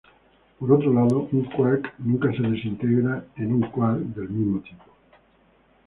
Por otro lado un quark nunca se desintegra en un quark del mismo tipo.